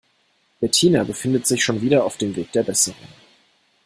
Bettina befindet sich schon wieder auf dem Weg der Besserung.